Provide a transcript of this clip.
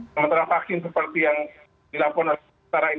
sementara vaksin seperti yang dilaporkan oleh nusantara ini